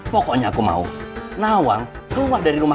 ya harusnya kalian tau sendiri lah